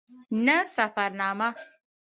نه سفرنامه.